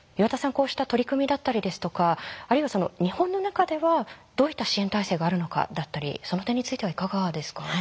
こうした取り組みだったりですとかあるいは日本の中ではどういった支援体制があるのかだったりその点についてはいかがですか？